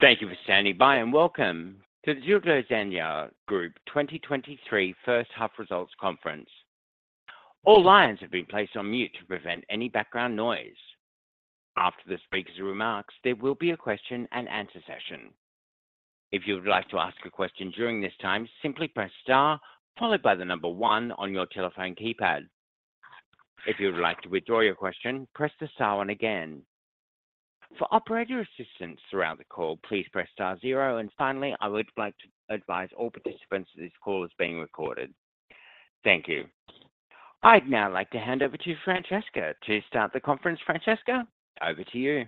Thank you for standing by, and welcome to the Zegna Group 2023 first half results conference. All lines have been placed on mute to prevent any background noise. After the speaker's remarks, there will be a question and answer session. If you would like to ask a question during this time, simply press star followed by the number one on your telephone keypad. If you would like to withdraw your question, press the star one again. For operator assistance throughout the call, please press star zero, and finally, I would like to advise all participants this call is being recorded. Thank you. I'd now like to hand over to Francesca to start the conference. Francesca, over to you.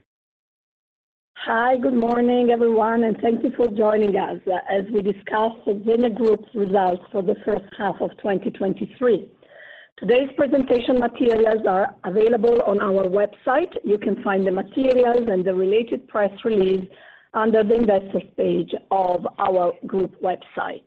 Hi. Good morning, everyone, and thank you for joining us as we discuss the Zegna Group's results for the first half of 2023. Today's presentation materials are available on our website. You can find the materials and the related press release under the Investors page of our group website.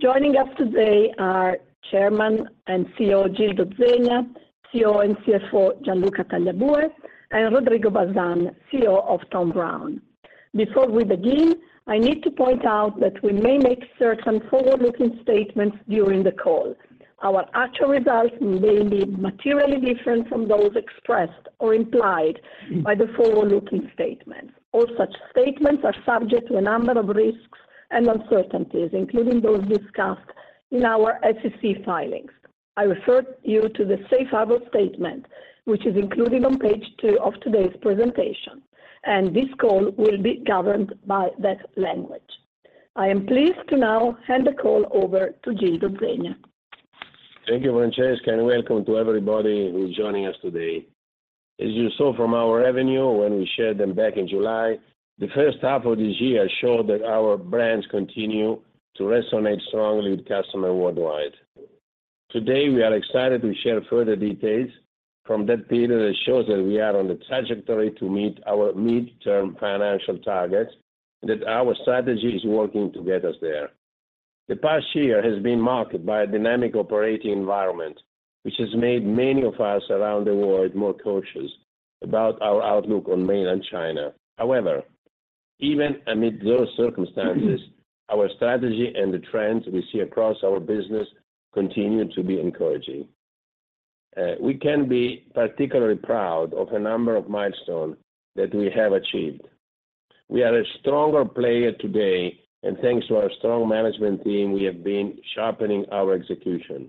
Joining us today are Chairman and CEO, Gildo Zegna, COO and CFO, Gianluca Tagliabue, and Rodrigo Bazan, CEO of Thom Browne. Before we begin, I need to point out that we may make certain forward-looking statements during the call. Our actual results may be materially different from those expressed or implied by the forward-looking statements. All such statements are subject to a number of risks and uncertainties, including those discussed in our SEC filings. I refer you to the safe harbor statement, which is included on page 2 of today's presentation, and this call will be governed by that language. I am pleased to now hand the call over to Gildo Zegna. Thank you, Francesca, and welcome to everybody who's joining us today. As you saw from our revenue when we shared them back in July, the first half of this year showed that our brands continue to resonate strongly with customers worldwide. Today, we are excited to share further details from that period that shows that we are on the trajectory to meet our midterm financial targets, and that our strategy is working to get us there. The past year has been marked by a dynamic operating environment, which has made many of us around the world more cautious about our outlook on Mainland China. However, even amid those circumstances, our strategy and the trends we see across our business continue to be encouraging. We can be particularly proud of a number of milestones that we have achieved. We are a stronger player today, and thanks to our strong management team, we have been sharpening our execution.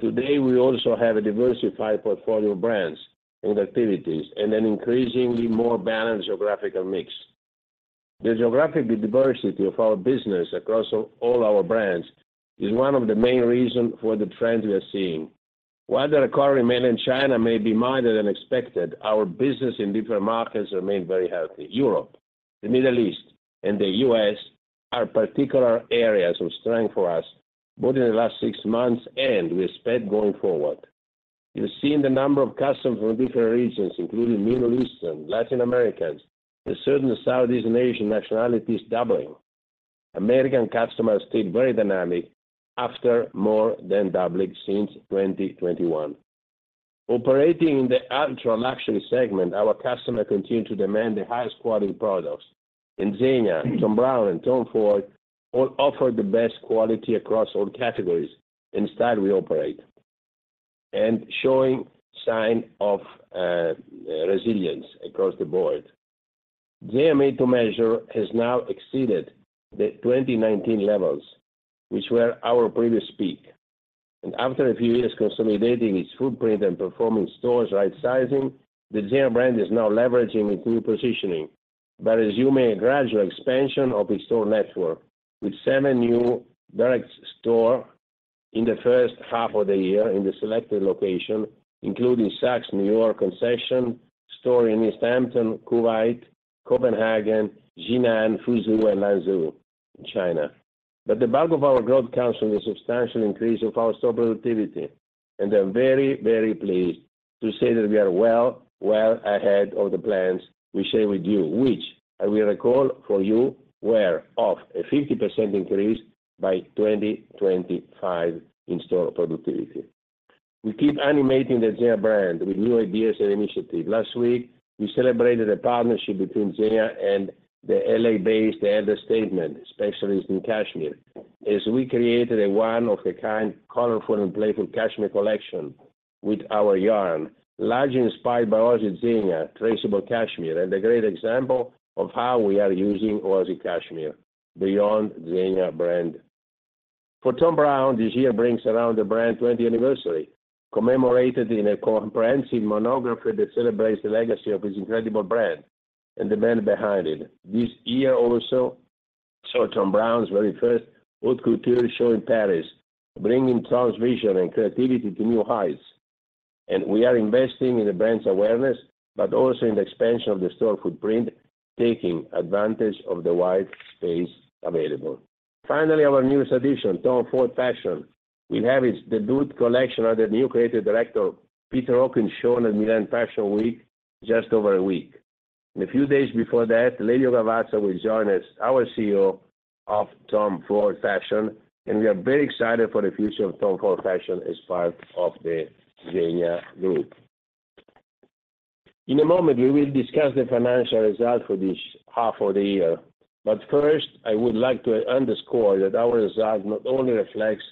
Today, we also have a diversified portfolio of brands and activities and an increasingly more balanced geographical mix. The geographic diversity of our business across all our brands is one of the main reasons for the trends we are seeing. While the recovery in Mainland China may be milder than expected, our business in different markets remain very healthy. Europe, the Middle East, and the U.S. are particular areas of strength for us, both in the last six months, and we expect going forward. You're seeing the number of customers from different regions, including Middle Eastern, Latin Americans, and certain Southeast Asian nationalities doubling. American customers stayed very dynamic after more than doubling since 2021. Operating in the ultra-luxury segment, our customers continue to demand the highest quality products, and Zegna, Thom Browne, and Tom Ford all offer the best quality across all categories and style we operate, and showing sign of resilience across the board. Zegna Made to Measure has now exceeded the 2019 levels, which were our previous peak, and after a few years consolidating its footprint and performing stores right sizing, the Zegna brand is now leveraging its new positioning by resuming a gradual expansion of its store network, with 7 new direct store in the first half of the year in the selected location, including Saks New York concession store in East Hampton, Kuwait, Copenhagen, Jinan, Fuzhou, and Hangzhou, China. But the bulk of our growth comes from the substantial increase of our store productivity, and I'm very, very pleased to say that we are well, well ahead of the plans we share with you, which I will recall for you, were of a 50% increase by 2025 in store productivity. We keep animating the Zegna brand with new ideas and initiatives. Last week, we celebrated a partnership between Zegna and the L.A.-based The Elder Statesman, specialist in cashmere, as we created a one-of-a-kind, colorful, and playful cashmere collection with our yarn, largely inspired by our Zegna traceable cashmere, and a great example of how we are using Zegna cashmere beyond Zegna brand. For Thom Browne, this year brings around the brand 20th anniversary, commemorated in a comprehensive monograph that celebrates the legacy of his incredible brand and the man behind it. This year also saw Thom Browne's very first haute couture show in Paris, bringing Tom's vision and creativity to new heights. We are investing in the brand's awareness, but also in the expansion of the store footprint, taking advantage of the wide space available. Finally, our newest addition, Tom Ford Fashion. We have its debut collection of the new creative director, Peter Hawkings, shown at Milan Fashion Week, just over a week. A few days before that, Lelio Gavazza will join us, our CEO of Tom Ford Fashion, and we are very excited for the future of Tom Ford Fashion as part of the Zegna Group. In a moment, we will discuss the financial results for this half of the year. But first, I would like to underscore that our results not only reflects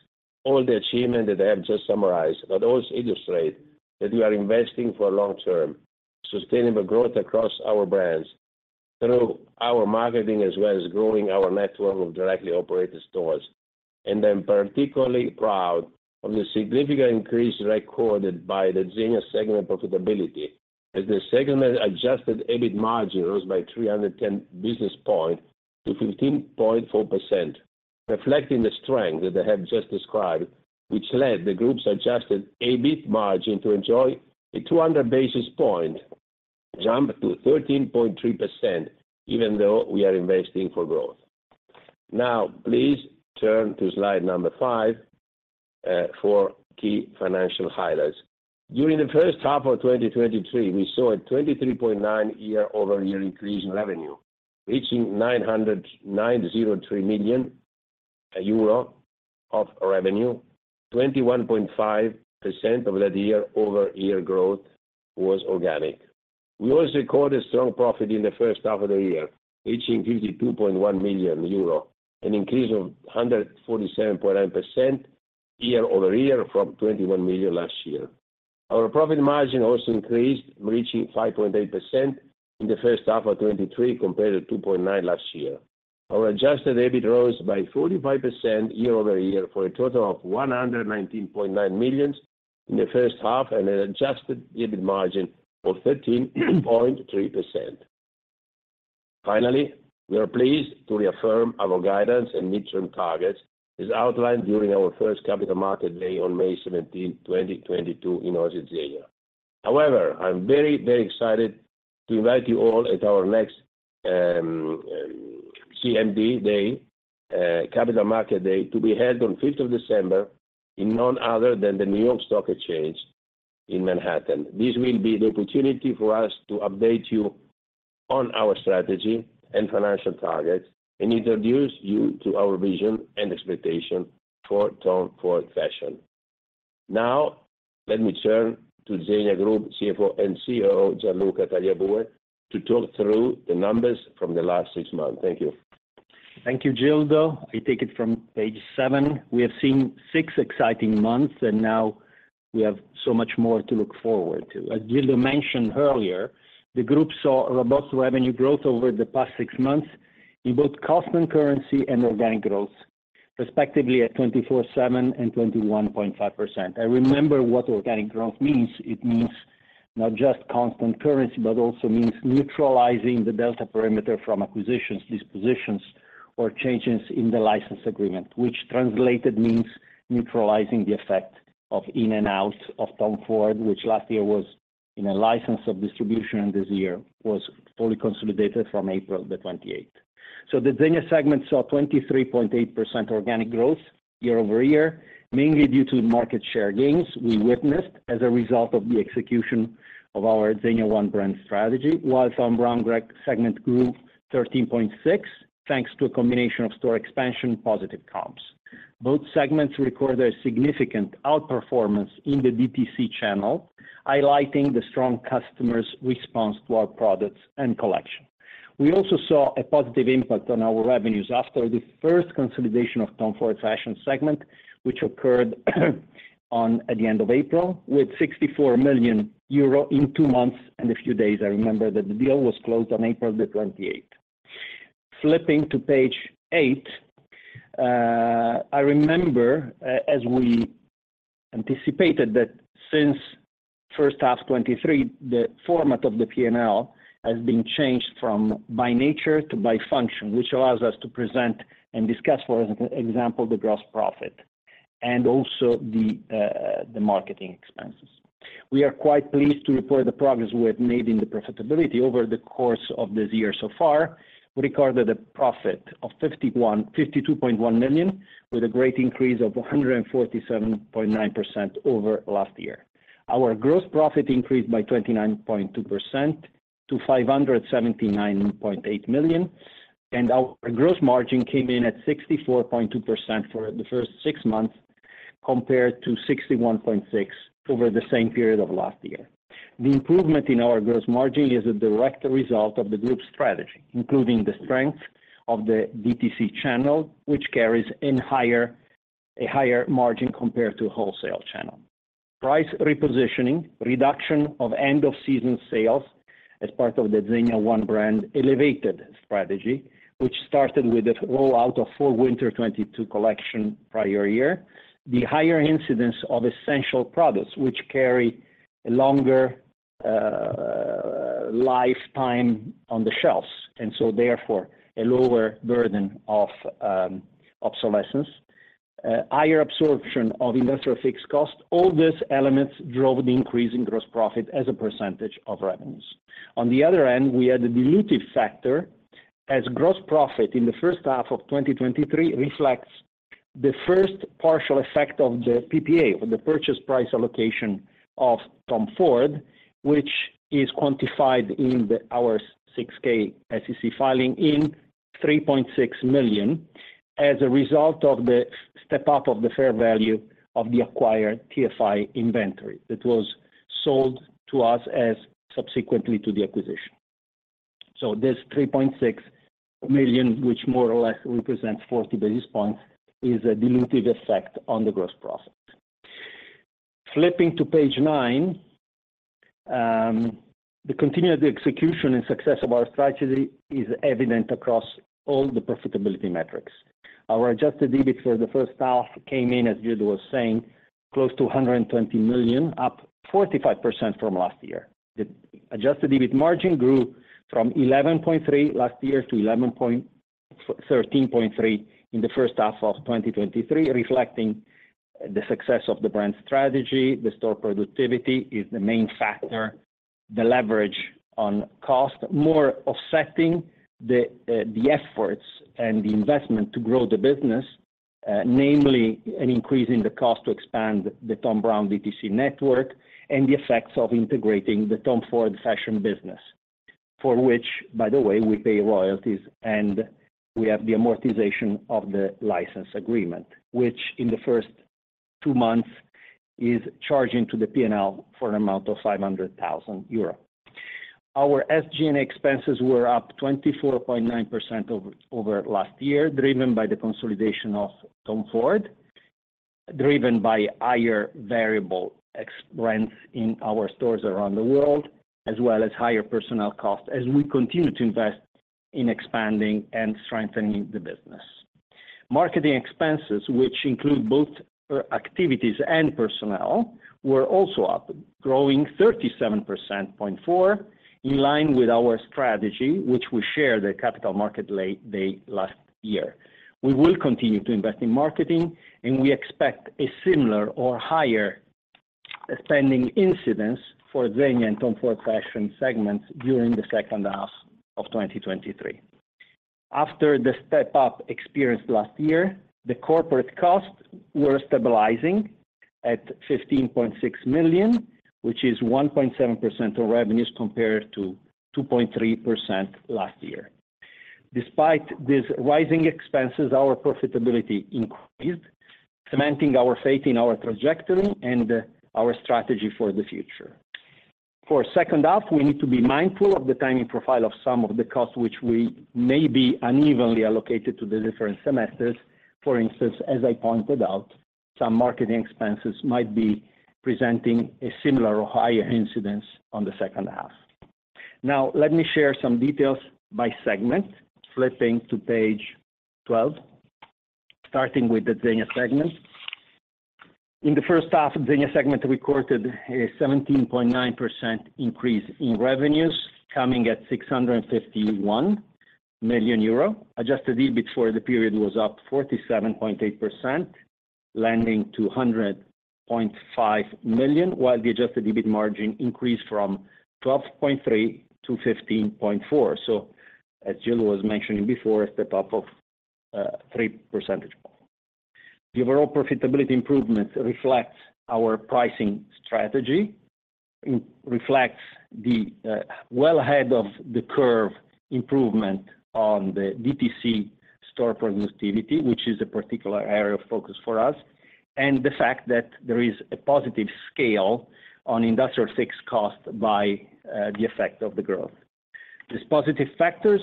all the achievement that I have just summarized, but also illustrate that we are investing for long-term, sustainable growth across our brands, through our marketing, as well as growing our network of directly operated stores. And I'm particularly proud of the significant increase recorded by the Zegna segment profitability, as the segment Adjusted EBIT margin rose by 310 basis points to 15.4%, reflecting the strength that I have just described, which led the group's Adjusted EBIT margin to enjoy a 200 basis point jump to 13.3%, even though we are investing for growth. Now, please turn to slide number 5 for key financial highlights. During the first half of 2023, we saw a 23.9 year-over-year increase in revenue, reaching 993 million euro of revenue. 21.5% of that year-over-year growth was organic. We also recorded strong profit in the first half of the year, reaching 52.1 million euro, an increase of 147.9% year-over-year from 21 million last year. Our profit margin also increased, reaching 5.8% in the first half of 2023, compared to 2.9% last year. Our Adjusted EBIT rose by 45% year-over-year for a total of 119.9 million in the first half, and an Adjusted EBIT margin of 13.3%. Finally, we are pleased to reaffirm our guidance and midterm targets as outlined during our first Capital Market Day on 17 May 2022 in Oasi Zegna. However, I'm very, very excited to invite you all at our next, CMD day, Capital Market Day, to be held on December 5 in none other than the New York Stock Exchange in Manhattan. This will be the opportunity for us to update you on our strategy and financial targets, and introduce you to our vision and expectation for Tom Ford Fashion. Now, let me turn to Zegna Group CFO and COO, Gianluca Tagliabue, to talk through the numbers from the last six months. Thank you. Thank you, Gildo. I take it from page 7. We have seen 6 exciting months, and now we have so much more to look forward to. As Gildo mentioned earlier, the group saw a robust revenue growth over the past 6 months in both constant currency and organic growth, respectively at 24.7% and 21.5%. And remember what organic growth means, it means not just constant currency, but also means neutralizing the delta parameter from acquisitions, dispositions, or changes in the license agreement, which translated means neutralizing the effect of in and out of Tom Ford, which last year was in a license of distribution, and this year was fully consolidated from April the 28th. So the Zegna segment saw 23.8% organic growth year-over-year, mainly due to market share gains we witnessed as a result of the execution of our Zegna One Brand strategy, while our Thom Browne segment grew 13.6, thanks to a combination of store expansion, positive comps. Both segments recorded a significant outperformance in the DTC channel, highlighting the strong customers' response to our products and collection. We also saw a positive impact on our revenues after the first consolidation of Tom Ford Fashion segment, which occurred on at the end of April, with 64 million euro in two months and a few days. I remember that the deal was closed on April the 28th. Flipping to page 8, I remember, as we anticipated, that since first half 2023, the format of the P&L has been changed from by nature to by function, which allows us to present and discuss, for example, the gross profit and also the, the marketing expenses. We are quite pleased to report the progress we have made in the profitability over the course of this year so far. We recorded a profit of 52.1 million, with a great increase of 147.9% over last year. Our gross profit increased by 29.2% to 579.8 million, and our gross margin came in at 64.2% for the first six months, compared to 61.6% over the same period of last year. The improvement in our gross margin is a direct result of the group's strategy, including the strength of the DTC channel, which carries a higher margin compared to wholesale channel. Price repositioning, reduction of end-of-season sales as part of the Zegna One Brand elevated strategy, which started with the roll-out of fall/winter 22 collection prior year. The higher incidence of essential products, which carry a longer lifetime on the shelves, and so therefore, a lower burden of obsolescence, higher absorption of industrial fixed cost. All these elements drove the increase in gross profit as a percentage of revenues. On the other end, we had a dilutive factor, as gross profit in the first half of 2023 reflects the first partial effect of the PPA, of the purchase price allocation of Tom Ford, which is quantified in the, our 6-K SEC filing in-... 3.6 million as a result of the step-up of the fair value of the acquired TFI inventory that was sold to us as subsequently to the acquisition. So this 3.6 million, which more or less represents 40 basis points, is a dilutive effect on the gross profit. Flipping to page nine, the continued execution and success of our strategy is evident across all the profitability metrics. Our adjusted EBIT for the first half came in, as Gildo was saying, close to 120 million, up 45% from last year. The adjusted EBIT margin grew from 11.3% last year to 13.3% in the first half of 2023, reflecting the success of the brand strategy. The store productivity is the main factor, the leverage on cost, more offsetting the efforts and the investment to grow the business, namely an increase in the cost to expand the Thom Browne DTC network and the effects of integrating the Tom Ford fashion business. For which, by the way, we pay royalties, and we have the amortization of the license agreement, which in the first two months is charging to the P&L for an amount of 500,000 euro. Our SG&A expenses were up 24.9% over last year, driven by the consolidation of Tom Ford, driven by higher variable rents in our stores around the world, as well as higher personnel costs, as we continue to invest in expanding and strengthening the business. Marketing expenses, which include both activities and personnel, were also up, growing 37.4%, in line with our strategy, which we shared at Capital Markets Day last year. We will continue to invest in marketing, and we expect a similar or higher spending incidence for Zegna and Tom Ford Fashion segments during the second half of 2023. After the step-up experienced last year, the corporate costs were stabilizing at 15.6 million, which is 1.7% of revenues, compared to 2.3% last year. Despite these rising expenses, our profitability increased, cementing our faith in our trajectory and our strategy for the future. For second half, we need to be mindful of the timing profile of some of the costs, which we may be unevenly allocated to the different semesters. For instance, as I pointed out, some marketing expenses might be presenting a similar or higher incidence on the second half. Now, let me share some details by segment. Flipping to page 12, starting with the Zegna segment. In the first half, Zegna segment recorded a 17.9% increase in revenues, coming at 651 million euro. Adjusted EBIT for the period was up 47.8%, landing to 100.5 million, while the adjusted EBIT margin increased from 12.3% to 15.4%. So as Giulio was mentioning before, a step up of 3 percentage points. The overall profitability improvements reflects our pricing strategy, it reflects the, well ahead of the curve improvement on the DTC store productivity, which is a particular area of focus for us, and the fact that there is a positive scale on industrial fixed cost by the effect of the growth. These positive factors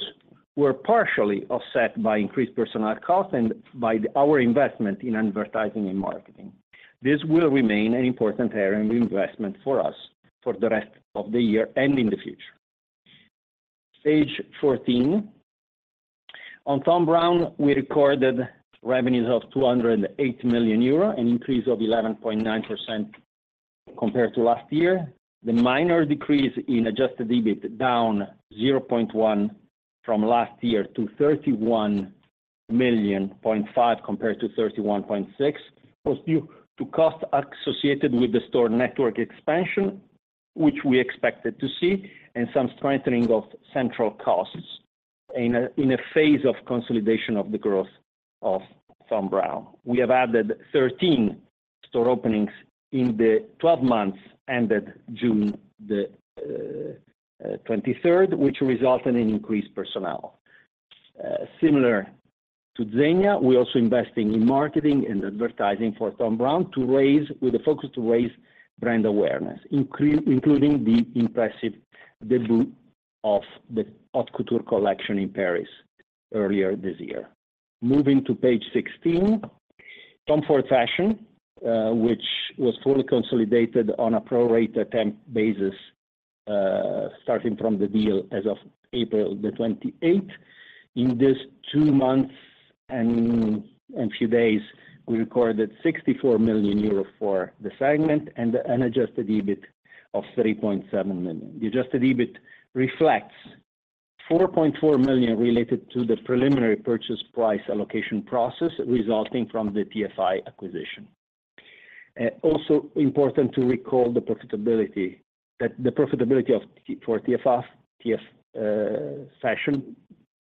were partially offset by increased personnel costs and by our investment in advertising and marketing. This will remain an important area of investment for us for the rest of the year and in the future. Page 14. On Thom Browne, we recorded revenues of 208 million euro, an increase of 11.9% compared to last year. The minor decrease in adjusted EBIT, down 0.1 million from last year to 31.5 million, compared to 31.6 million, was due to costs associated with the store network expansion, which we expected to see, and some strengthening of central costs in a phase of consolidation of the growth of Thom Browne. We have added 13 store openings in the 12 months ended June 2023, which resulted in increased personnel. Similar to Zegna, we're also investing in marketing and advertising for Thom Browne to raise-- with a focus to raise brand awareness, including the impressive debut of the haute couture collection in Paris earlier this year. Moving to page 16, Tom Ford Fashion, which was fully consolidated on a pro-rata temp basis, starting from the deal as of April the twenty-eighth. In this two months and few days, we recorded 64 million euro for the segment and an adjusted EBIT of 3.7 million. The adjusted EBIT reflects 4.4 million related to the preliminary purchase price allocation process resulting from the TFI acquisition. Also important to recall the profitability for TFF, TF Fashion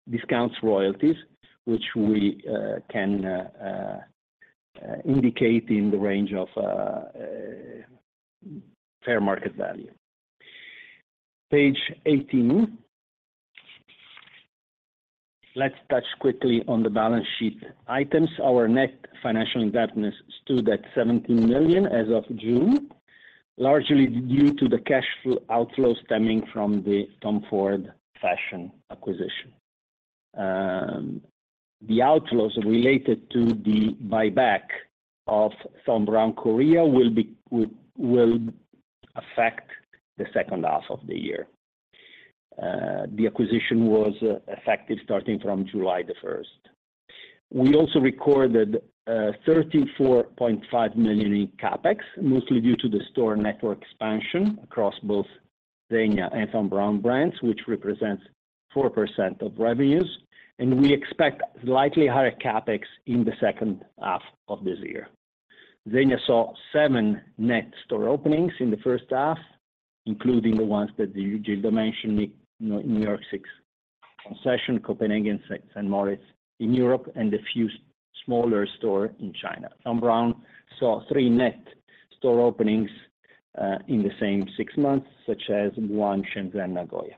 discounts royalties, which we can indicate in the range of fair market value. Page 18, let's touch quickly on the balance sheet items. Our net financial indebtedness stood at 17 million as of June, largely due to the cash flow outflow stemming from the Tom Ford Fashion acquisition. The outflows related to the buyback of Thom Browne Korea will affect the second half of the year. The acquisition was effective starting from July the 1st. We also recorded 34.5 million in CapEx, mostly due to the store network expansion across both Zegna and Thom Browne brands, which represents 4% of revenues, and we expect slightly higher CapEx in the second half of this year. Zegna saw seven net store openings in the first half, including the ones that Gildo mentioned, New York, Saks Concession, Copenhagen, St. Moritz in Europe, and a few smaller stores in China. Thom Browne saw three net store openings in the same six months, such as Guangzhou and Nagoya.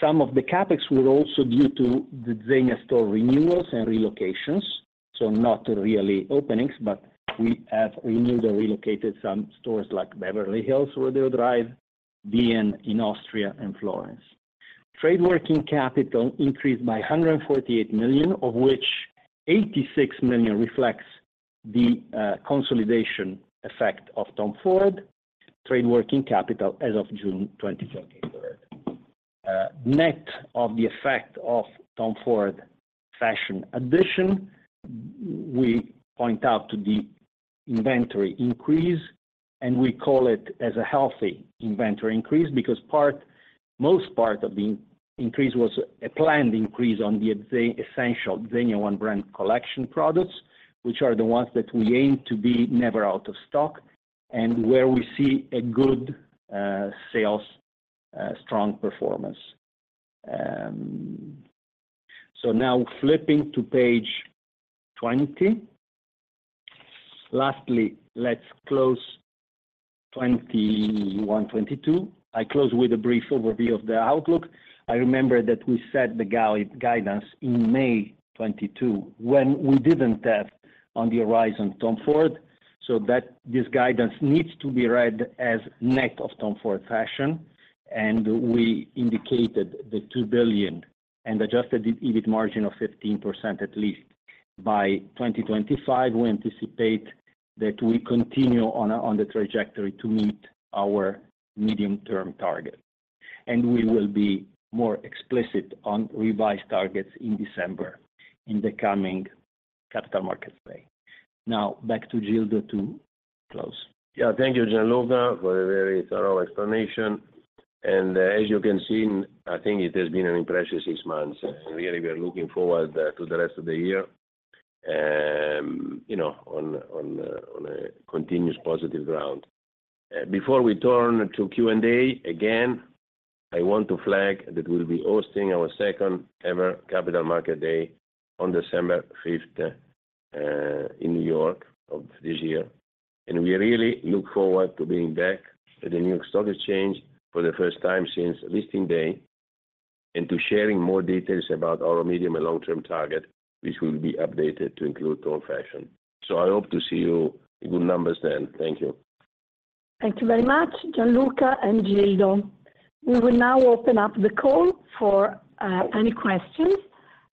Some of the CapEx were also due to the Zegna store renewals and relocations, so not really openings, but we have renewed or relocated some stores like Beverly Hills, Rodeo Drive, Vienna in Austria, and Florence. Trade working capital increased by 148 million, of which 86 million reflects the consolidation effect of Tom Ford trade working capital as of June 30, 2023. Net of the effect of Tom Ford Fashion addition, we point out to the inventory increase, and we call it as a healthy inventory increase because part, most part of the increase was a planned increase on the essential Zegna on-brand collection products, which are the ones that we aim to be never out of stock and where we see a good sales strong performance. So now flipping to page 20. Lastly, let's close 2021, 2022. I close with a brief overview of the outlook. I remember that we set the guidance in May 2022, when we didn't have on the horizon Tom Ford, so that this guidance needs to be read as net of Tom Ford Fashion, and we indicated the 2 billion and adjusted EBIT margin of 15% at least. By 2025, we anticipate that we continue on the trajectory to meet our medium-term target, and we will be more explicit on revised targets in December, in the coming Capital Markets Day. Now, back to Gildo to close. Yeah, thank you, Gianluca, for a very thorough explanation. And as you can see, I think it has been an impressive six months. Really, we are looking forward to the rest of the year on a continuous positive ground. Before we turn to Q&A, again, I want to flag that we'll be hosting our second-ever Capital Market Day on December fifth in New York of this year. And we really look forward to being back at the New York Stock Exchange for the first time since listing day, and to sharing more details about our medium and long-term target, which will be updated to include Tom Ford Fashion. So I hope to see you in good numbers then. Thank you. Thank you very much, Gianluca and Gildo. We will now open up the call for any questions.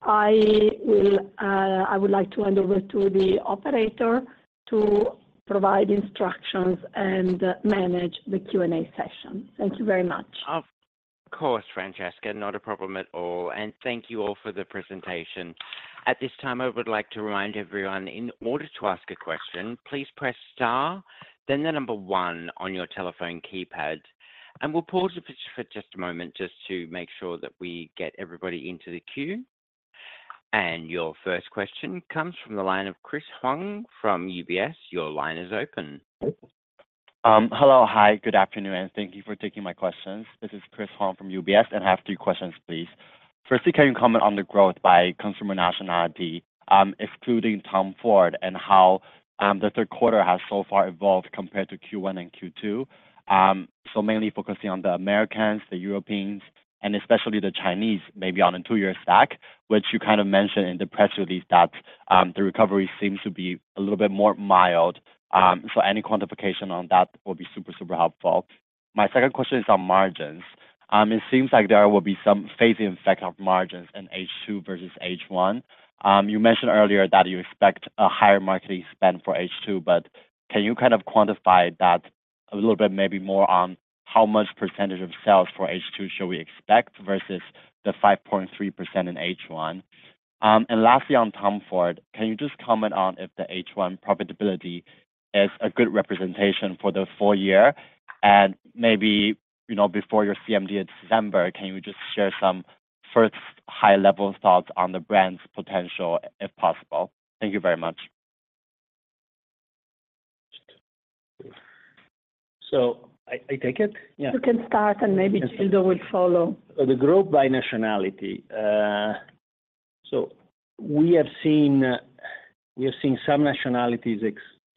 I will, I would like to hand over to the operator to provide instructions and manage the Q&A session. Thank you very much. Of course, Francesca, not a problem at all, and thank you all for the presentation. At this time, I would like to remind everyone, in order to ask a question, please press star, then the number one on your telephone keypad, and we'll pause it for just a moment just to make sure that we get everybody into the queue. Your first question comes from the line of Chris Huang from UBS. Your line is open. Hello. Hi, good afternoon, and thank you for taking my questions. This is Chris Huang from UBS, and I have three questions, please. Firstly, can you comment on the growth by consumer nationality, excluding Tom Ford, and how the Q3 has so far evolved compared to Q1 and Q2? So mainly focusing on the Americans, the Europeans, and especially the Chinese, maybe on a two-year stack, which you kind of mentioned in the press release that the recovery seems to be a little bit more mild. So any quantification on that would be super, super helpful. My second question is on margins. It seems like there will be some phasing effect of margins in H2 versus H1. You mentioned earlier that you expect a higher marketing spend for H2, but can you kind of quantify that a little bit, maybe more on how much percentage of sales for H2 should we expect versus the 5.3% in H1? And lastly, on Tom Ford, can you just comment on if the H1 profitability is a good representation for the full year? And maybe before your CMD in December, can you just share some first high-level thoughts on the brand's potential, if possible? Thank you very much. I take it? Yeah. You can start, and maybe Gildo will follow. The growth by nationality... So we have seen, we have seen some nationalities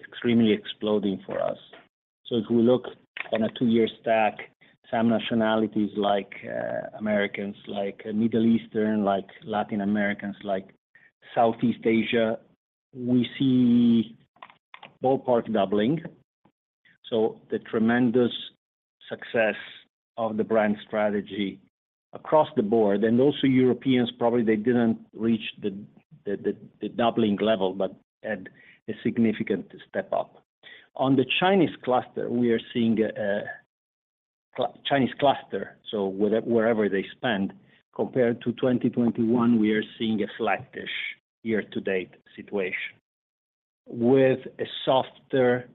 extremely exploding for us. So if we look on a two-year stack, some nationalities like, Americans, like Middle Eastern, like Latin Americans, like Southeast Asia, we see ballpark doubling. So the tremendous success of the brand strategy across the board, and also Europeans, probably they didn't reach the, the, the, the doubling level, but had a significant step up. On the Chinese cluster, we are seeing a Chinese cluster, so wherever they spend, compared to 2021, we are seeing a flattish year-to-date situation, with a softer,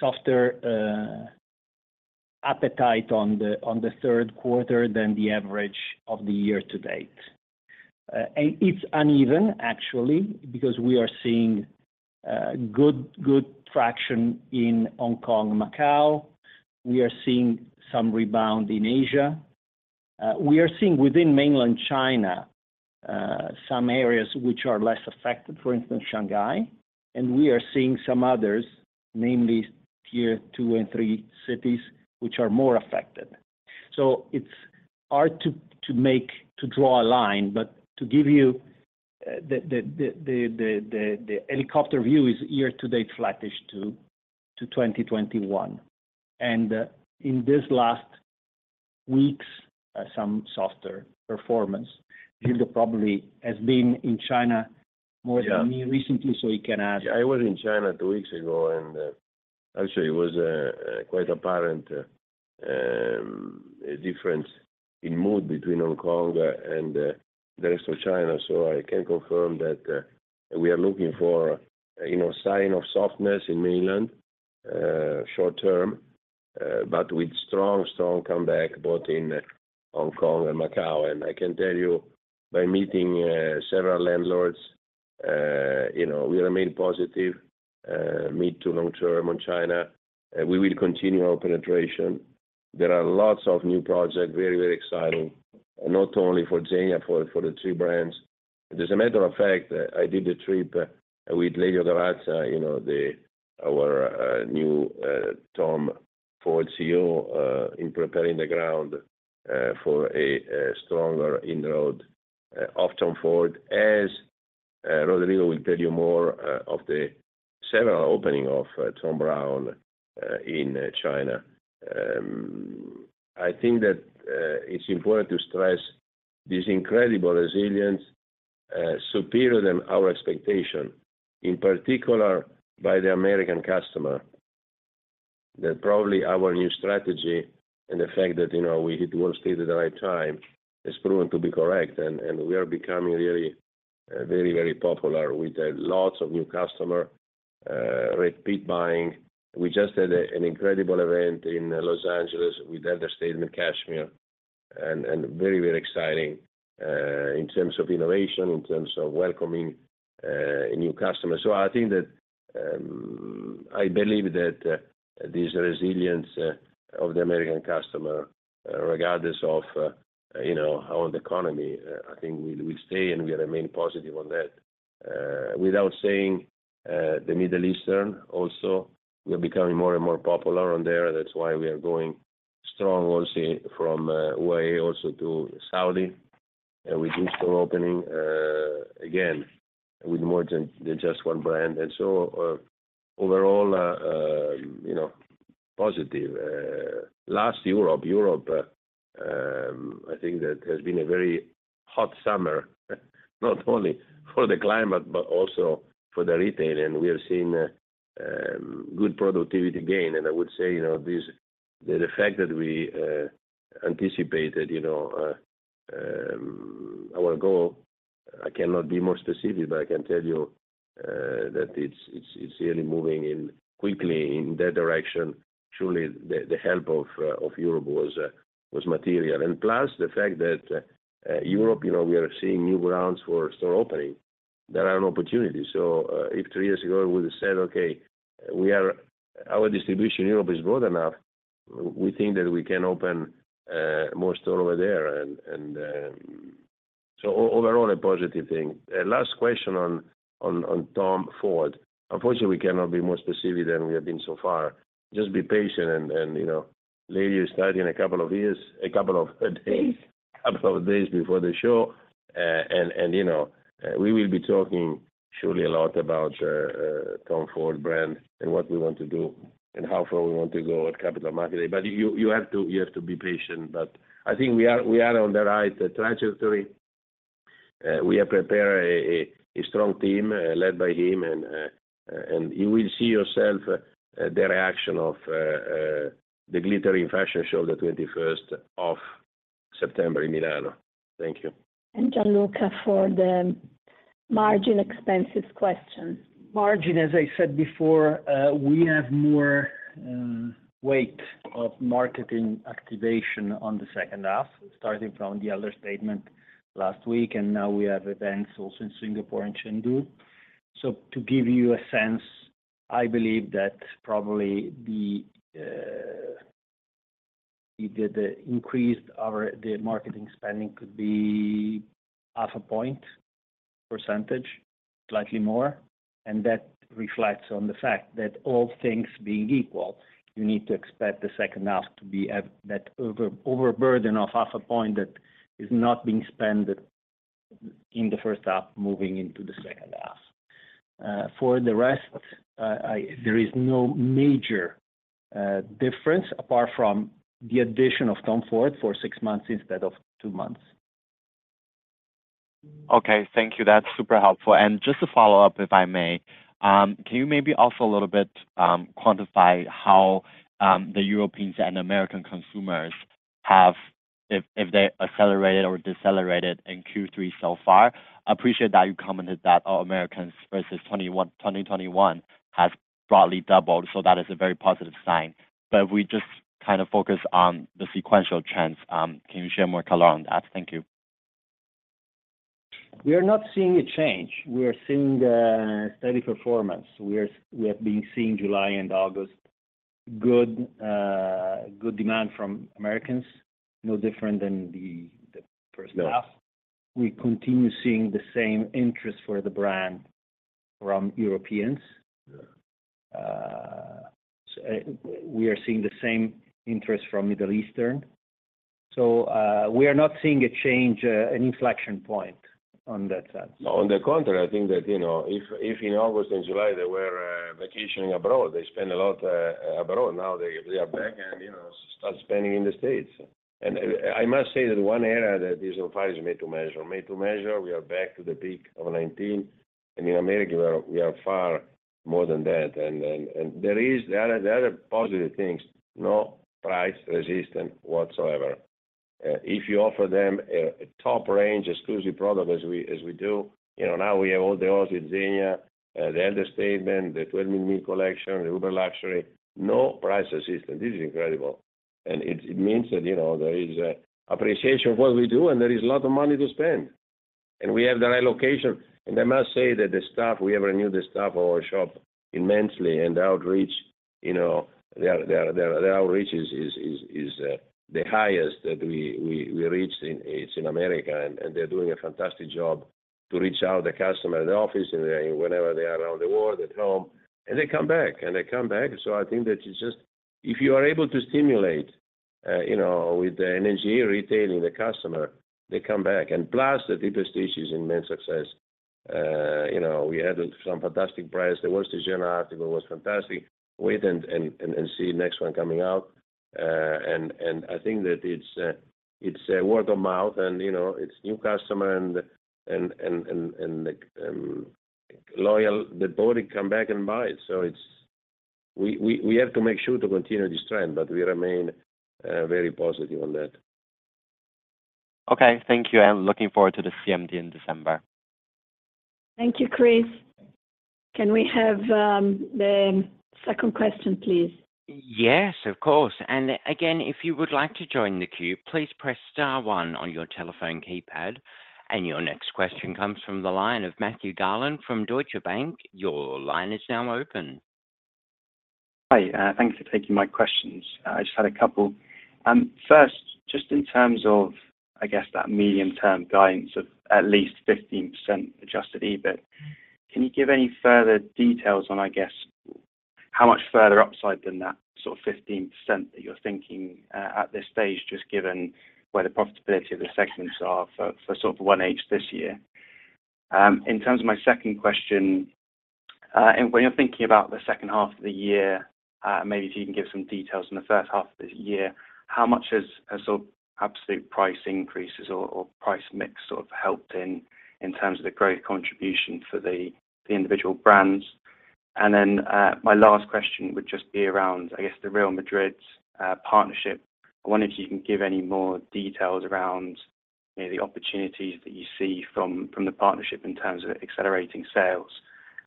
softer, appetite on the, on the Q3 than the average of the year to date. And it's uneven, actually, because we are seeing, good, good traction in Hong Kong and Macau. We are seeing some rebound in Asia. We are seeing within Mainland China some areas which are less affected, for instance, Shanghai, and we are seeing some others, namely tier two and three cities, which are more affected. So it's hard to draw a line, but to give you the helicopter view is year-to-date flattish to 2021. And in this last weeks some softer performance, Gildo probably has been in China more- Yeah... than me recently, so he can add. I was in China two weeks ago, and actually, it was a quite apparent difference in mood between Hong Kong and the rest of China. So I can confirm that we are looking for sign of softness in mainland short-term, but with strong, strong comeback both in Hong Kong and Macau. And I can tell you by meeting several landlords we remain positive mid- to long-term on China, and we will continue our penetration. There are lots of new project, very, very exciting, not only for ZEGNA, for the three brands. As a matter of fact, I did a trip with Lelio Gavazza our new Tom Ford CEO in preparing the ground for a stronger inroad of Tom Ford, as Rodrigo will tell you more of the several openings of Thom Browne in China. I think that it's important to stress this incredible resilience, superior than our expectation, in particular by the American customer, that probably our new strategy and the fact that we hit Wall Street at the right time, is proven to be correct. And we are becoming really very, very popular. We've had lots of new customer repeat buying. We just had an incredible event in Los Angeles with The Elder Statesman cashmere, and very, very exciting in terms of innovation, in terms of welcoming new customers. So I think that I believe that this resilience of the American customer regardless of how the economy I think we stay and we remain positive on that. Without saying the Middle Eastern also, we are becoming more and more popular on there. That's why we are going strong also from way also to Saudi with new store opening again with more than just one brand. And so overall positive. Last, Europe. Europe, I think that has been a very hot summer, not only for the climate, but also for the retail, and we are seeing good productivity gain. And I would say this, the fact that we anticipated our goal, I cannot be more specific, but I can tell you that it's, it's, it's really moving in quickly in that direction. Surely, the help of Europe was material. And plus, the fact that, Europe we are seeing new grounds for store opening. There are opportunities. So, if three years ago we would have said, "Okay, we are, our distribution in Europe is broad enough, we think that we can open more store over there." And, so overall, a positive thing. Last question on Tom Ford. Unfortunately, we cannot be more specific than we have been so far. Just be patient and Leo is starting a couple of days before the show, and we will be talking surely a lot about Tom Ford brand and what we want to do and how far we want to go at Capital Markets Day. But you have to be patient, but I think we are on the right trajectory. We have prepared a strong team led by him, and you will see yourself the reaction of the glittering fashion show, the twenty-first of September in Milan. Thank you. Gianluca, for the margin expenses question. Margin, as I said before, we have more weight of marketing activation on the second half, starting from the other statement last week, and now we have events also in Singapore and Chengdu. So to give you a sense, I believe that probably the increase in our marketing spending could be 0.5%, slightly more, and that reflects on the fact that all things being equal, you need to expect the second half to be at that overburden of 0.5% that is not being spent in the first half moving into the second half. For the rest, there is no major difference apart from the addition of Tom Ford for 6 months instead of 2 months. Okay, thank you. That's super helpful. And just to follow up, if I may, can you maybe also a little bit quantify how the Europeans and American consumers have... If they accelerated or decelerated in Q3 so far? I appreciate that you commented that Americans versus 2021 has broadly doubled, so that is a very positive sign. But if we just kind of focus on the sequential trends, can you share more color on that? Thank you. We are not seeing a change. We are seeing the steady performance. We have been seeing July and August, good, good demand from Americans, no different than the first half. We continue seeing the same interest for the brand from Europeans. Yeah. So, we are seeing the same interest from Middle Eastern. So, we are not seeing a change, an inflection point on that sense. On the contrary, I think that if in August and July they were vacationing abroad, they spend a lot abroad. Now, they are back and start spending in the States. And I must say that one area that this applies is Made to Measure. Made to Measure, we are back to the peak of 2019, and in America, we are far more than that. And there are positive things, no price resistance whatsoever. If you offer them a top range, exclusive product as we do now we have all the odds with Zegna, the Elder Statesman, the Triple Stitch Collection, the Uber Luxury, no price resistance. This is incredible, and it means that there is appreciation of what we do, and there is a lot of money to spend, and we have the right location. I must say that the staff, we have renewed the staff of our shop immensely, and the outreach their outreach is the highest that we reached in America, and they're doing a fantastic job to reach out the customer in the office and wherever they are around the world, at home, and they come back, and they come back. So I think that it's just... If you are able to stimulate with the energy, retailing the customer, they come back. And plus, the deepest issues in men's success we had some fantastic brands. There was the Zegna article, was fantastic. Wait and see next one coming out. And I think that it's a word of mouth, and, it's new customer and loyal, the body come back and buy it. So it's... We have to make sure to continue this trend, but we remain very positive on that. Okay, thank you, and looking forward to the CMD in December. Thank you, Chris. Can we have the second question, please? Yes, of course. Again, if you would like to join the queue, please press star one on your telephone keypad. Your next question comes from the line of Matthew Garland from Deutsche Bank. Your line is now open. Hi, thanks for taking my questions. I just had a couple. First, just in terms of, I guess, that medium-term guidance of at least 15% Adjusted EBIT, can you give any further details on, I guess, how much further upside than that sort of 15% that you're thinking, at this stage, just given where the profitability of the segments are for sort of 1H this year? In terms of my second question, and when you're thinking about the second half of the year, maybe if you can give some details on the first half of this year, how much has sort of absolute price increases or price mix sort of helped in terms of the growth contribution for the individual brands? Then, my last question would just be around, I guess, the Real Madrid's partnership. I wonder if you can give any more details around maybe the opportunities that you see from, from the partnership in terms of accelerating sales,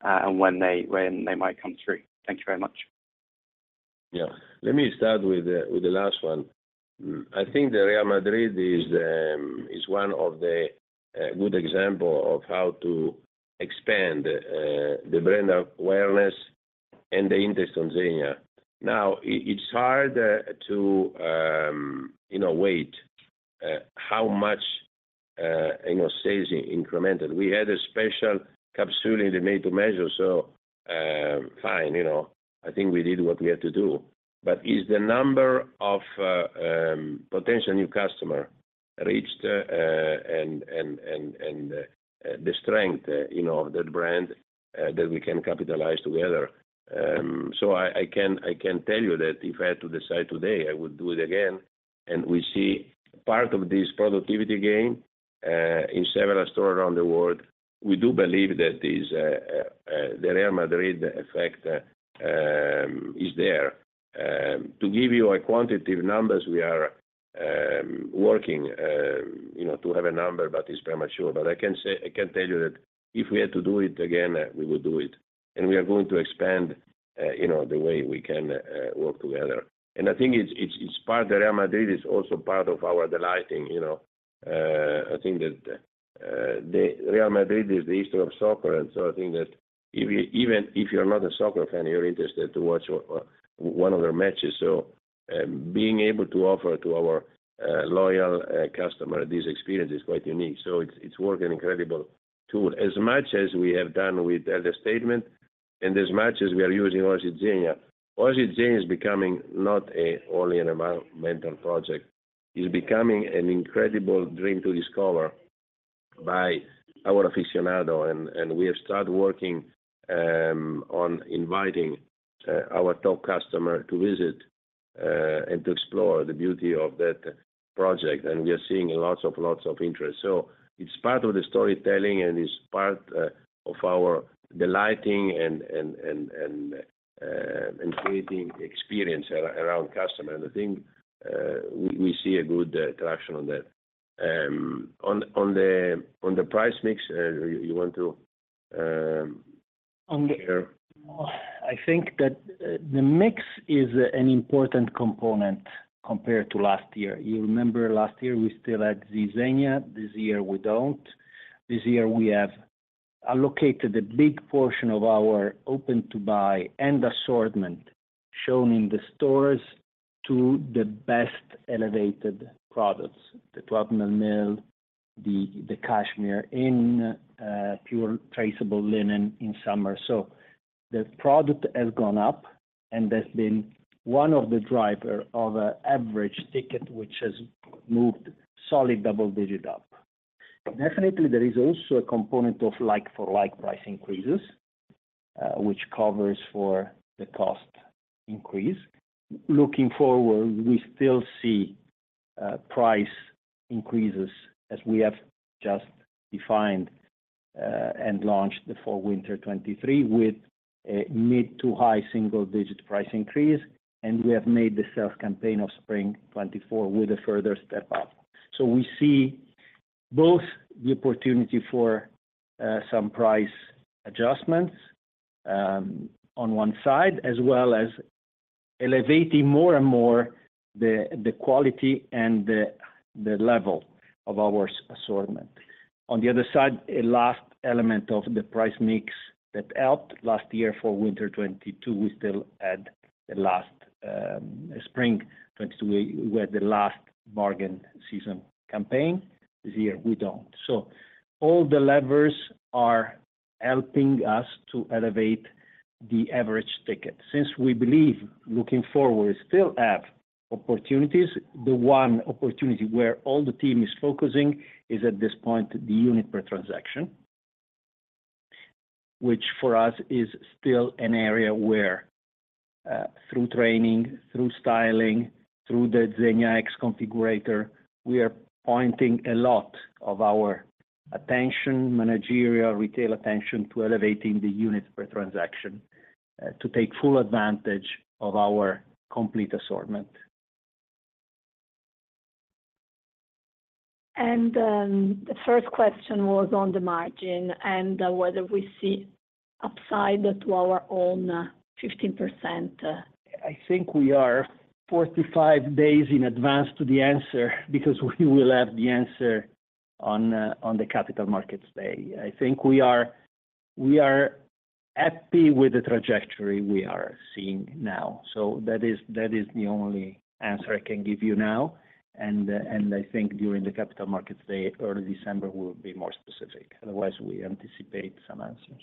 and when they, when they might come through. Thank you very much. Yeah. Let me start with the last one. I think the Real Madrid is one of the good example of how to expand the brand awareness and the interest on Zegna. Now, it's hard to how much sales incremented. We had a special capsule in the Made to Measure, so, fine I think we did what we had to do. But is the number of potential new customer reached, and the strength of that brand that we can capitalize together? So I can tell you that if I had to decide today, I would do it again, and we see part of this productivity gain in several stores around the world. We do believe that this, the Real Madrid effect, is there. To give you quantitative numbers, we are working to have a number, but it's premature. But I can say—I can tell you that if we had to do it again, we would do it, and we are going to expand the way we can work together. And I think it's part... The Real Madrid is also part of our delighting,. I think that the Real Madrid is the history of soccer, and so I think that even if you're not a soccer fan, you're interested to watch one of their matches. So, being able to offer to our loyal customer this experience is quite unique, so it's working incredible tool. As much as we have done with Elder Statesman and as much as we are using Zegna, Zegna is becoming not only an environmental project, it's becoming an incredible dream to discover by our aficionado. And we have started working on inviting our top customer to visit and to explore the beauty of that project, and we are seeing lots of interest. So it's part of the storytelling, and it's part of our delighting and creating experience around customer. And I think we see a good traction on that. On the price mix, you want to on the- I think that the mix is an important component compared to last year. You remember last year, we still had Zegna; this year we don't. This year, we have allocated a big portion of our open-to-buy and assortment shown in the stores to the best elevated products, the 12 mil mil, the cashmere in pure traceable linen in summer. So the product has gone up, and that's been one of the driver of an average ticket, which has moved solid double-digit up. Definitely, there is also a component of like-for-like price increases, which covers for the cost increase. Looking forward, we still see price increases, as we have just defined and launched the fall/winter 2023, with a mid- to high single-digit price increase, and we have made the sales campaign of spring 2024 with a further step up. So we see both the opportunity for some price adjustments on one side, as well as elevating more and more the quality and the level of our assortment. On the other side, a last element of the price mix that helped last year for winter 2022, we still had the last spring 2022, we had the last bargain season campaign. This year, we don't. So all the levers are helping us to elevate the average ticket. Since we believe looking forward, we still have opportunities, the one opportunity where all the team is focusing is, at this point, the unit per transaction, which for us is still an area where, through training, through styling, through the ZEGNA X Configurator, we are pointing a lot of our attention, managerial, retail attention, to elevating the units per transaction, to take full advantage of our complete assortment. The first question was on the margin and whether we see upside to our own 15%. I think we are 45 days in advance to the answer because we will have the answer on, on the Capital Markets Day. I think we are, we are happy with the trajectory we are seeing now. So that is, that is the only answer I can give you now, and, and I think during the Capital Markets Day, early December, we'll be more specific. Otherwise, we anticipate some answers.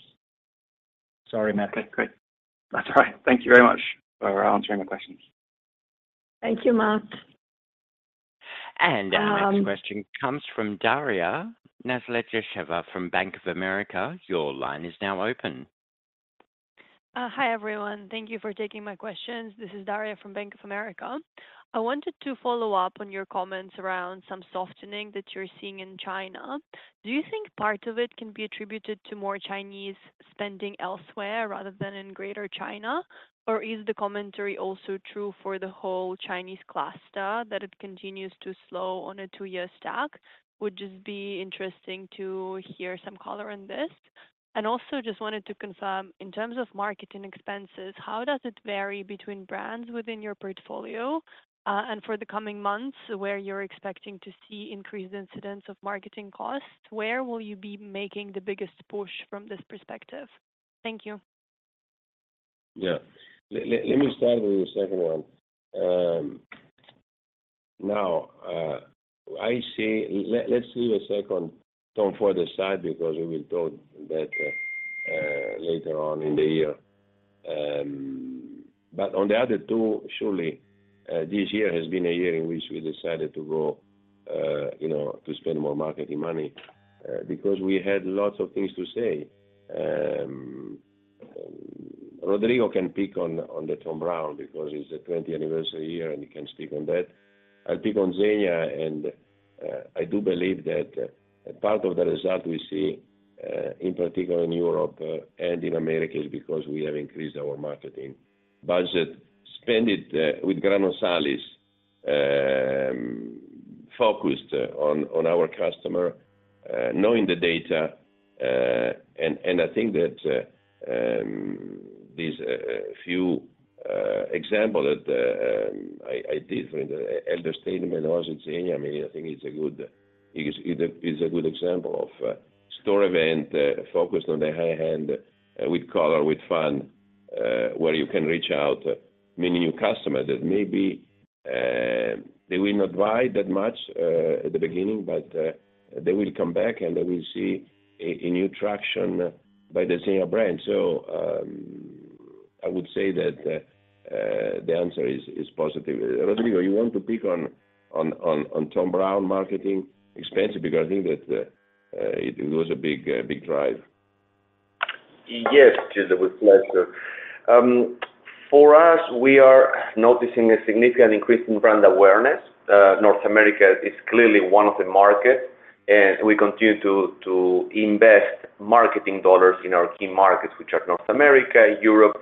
Sorry, Matt. Okay, great. That's all right. Thank you very much for answering my questions. Thank you, Matt. Our next question comes from Daria Nasledysheva from Bank of America. Your line is now open. Hi, everyone. Thank you for taking my questions. This is Daria from Bank of America. I wanted to follow up on your comments around some softening that you're seeing in China. Do you think part of it can be attributed to more Chinese spending elsewhere, rather than in greater China? Or is the commentary also true for the whole Chinese cluster, that it continues to slow on a two-year stack? Would just be interesting to hear some color on this. And also just wanted to confirm, in terms of marketing expenses, how does it vary between brands within your portfolio? And for the coming months, where you're expecting to see increased incidents of marketing costs, where will you be making the biggest push from this perspective? Thank you. Yeah. Let me start with the second one. Let's leave a second Tom Ford aside, because we will talk that later on in the year. But on the other two, surely, this year has been a year in which we decided to go to spend more marketing money, because we had lots of things to say. Rodrigo can pick on the Thom Browne, because it's a 20th anniversary year, and he can speak on that. I'll pick on Zegna, and I do believe that part of the result we see, in particular in Europe and in America, is because we have increased our marketing budget, spend it with granular insights, focused on our customer, knowing the data. And I think that... These few examples that I did with The Elder Statesman and also Zegna, I mean, I think it's a good example of a store event focused on the high end with color with fun where you can reach out to many new customers that maybe they will not buy that much at the beginning, but they will come back, and they will see a new traction by the Zegna brand. So, I would say that the answer is positive. Rodrigo, you want to pick up on Thom Browne marketing expenses? Because I think that it was a big driver. Yes, Gildo, with pleasure. For us, we are noticing a significant increase in brand awareness. North America is clearly one of the markets, and we continue to invest marketing dollars in our key markets, which are North America, Europe,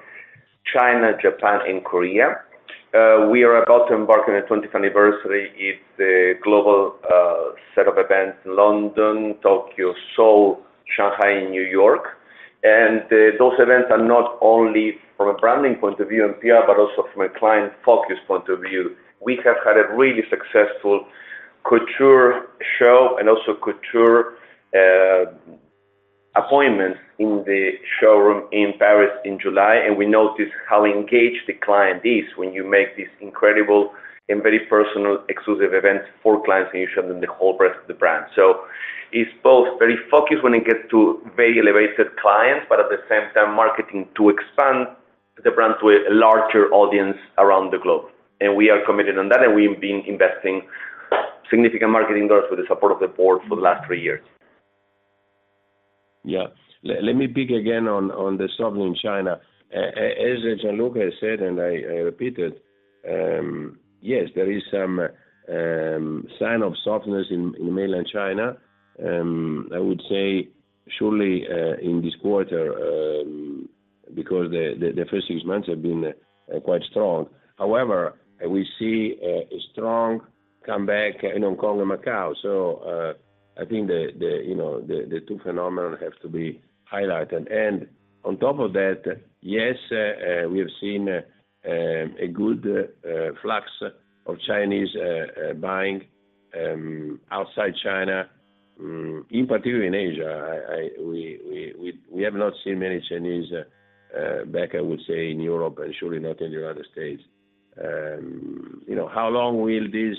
China, Japan, and Korea. We are about to embark on a twentieth anniversary. It's a global set of events, London, Tokyo, Seoul, Shanghai, and New York. And those events are not only from a branding point of view and PR, but also from a client focus point of view. We have had a really successful couture show and also couture appointments in the showroom in Paris in July, and we noticed how engaged the client is when you make these incredible and very personal exclusive events for clients, and you show them the whole rest of the brand. It's both very focused when it gets to very elevated clients, but at the same time, marketing to expand the brand to a larger audience around the globe. We are committed on that, and we've been investing significant marketing dollars with the support of the board for the last three years. Yeah. Let me pick again on the softness in China. As Gianluca has said, and I repeat it, yes, there is some sign of softness in Mainland China. I would say surely in this quarter, because the first six months have been quite strong. However, we see a strong comeback in Hong Kong and Macau. So, I think the two phenomenon have to be highlighted. And on top of that, yes, we have seen a good flux of Chinese buying outside China, in particular in Asia. We have not seen many Chinese back, I would say, in Europe and surely not in the United States., how long will this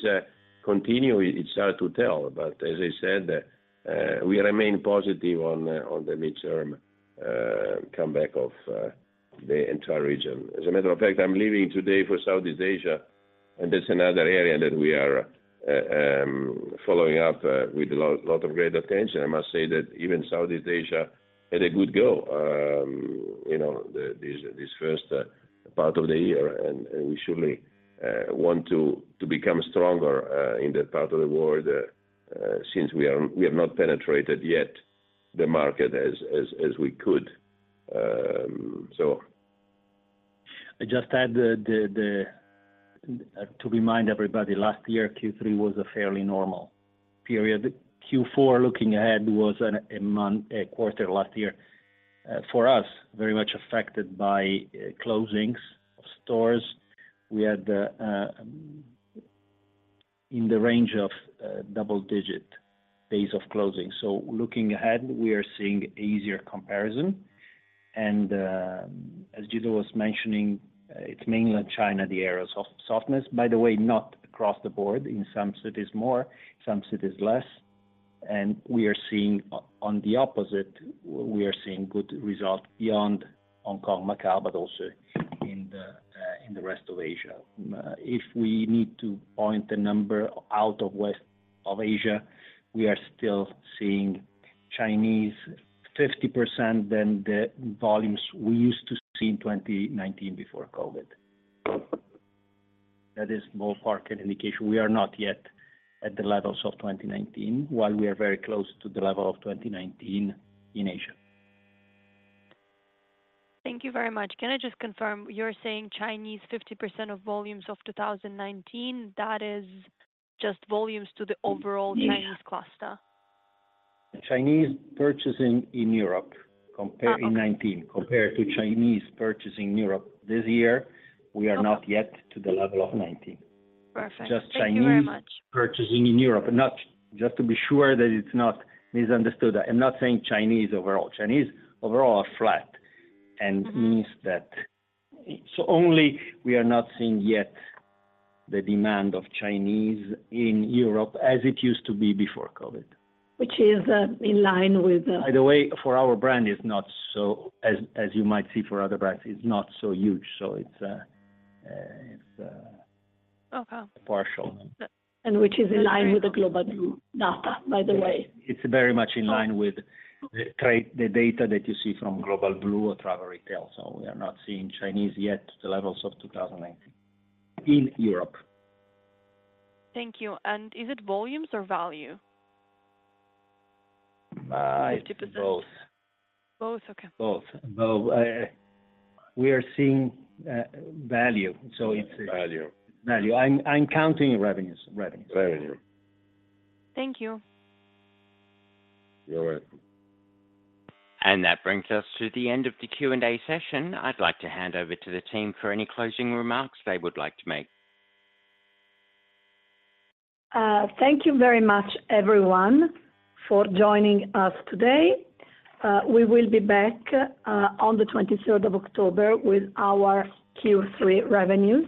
continue? It's hard to tell, but as I said, we remain positive on the midterm comeback of the entire region. As a matter of fact, I'm leaving today for Southeast Asia, and that's another area that we are following up with a lot of great attention. I must say that even Southeast Asia had a good go this first part of the year, and we surely want to become stronger in that part of the world, since we have not penetrated yet the market as we could. So... I just add to remind everybody, last year, Q3 was a fairly normal period. Q4, looking ahead, was a quarter last year for us, very much affected by closings of stores. We had in the range of double-digit days of closing. So looking ahead, we are seeing an easier comparison, and as Gildo was mentioning, it's mainland China, the areas of softness. By the way, not across the board. In some cities more, some cities less, and we are seeing, on the opposite, we are seeing good results beyond Hong Kong, Macau, but also in the rest of Asia. If we need to point a number out of the rest of Asia, we are still seeing Chinese 50% than the volumes we used to see in 2019 before COVID. That is more market indication. We are not yet at the levels of 2019, while we are very close to the level of 2019 in Asia. Thank you very much. Can I just confirm, you're saying Chinese 50% of volumes of 2019, that is just volumes to the overall- Yeah... Chinese cluster? Chinese purchasing in Europe compared- Oh, okay. In 2019. Compared to Chinese purchasing Europe this year, we are not- Okay... yet to the level of 19. Perfect. Just Chinese- Thank you very much.... purchasing in Europe, not, just to be sure that it's not misunderstood, I'm not saying Chinese overall. Chinese overall are flat, and- Mm-hmm... means that, so only we are not seeing yet the demand of Chinese in Europe as it used to be before COVID. Which is, in line with- By the way, for our brand, it's not so... As you might see for other brands, it's not so huge, so it's... Okay... partial. Which is in line with the Global Blue data, by the way. It's very much in line with the trade, the data that you see from Global Blue or travel retail. So we are not seeing Chinese yet, the levels of 2019 in Europe. Thank you. And is it volumes or value? Uh, both. 50%. Both? Okay. Both. Both. We are seeing value, so it's- Value. Value. I'm counting revenues. Revenues. Revenue. Thank you. You're welcome. That brings us to the end of the Q&A session. I'd like to hand over to the team for any closing remarks they would like to make. Thank you very much, everyone, for joining us today. We will be back on the 23 October with our Q3 revenues.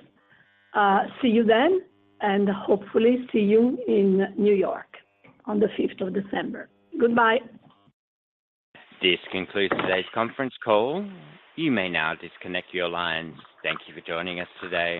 See you then, and hopefully, see you in New York on the 5 December. Goodbye. This concludes today's conference call. You may now disconnect your lines. Thank you for joining us today.